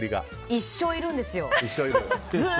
一生いるんですよ。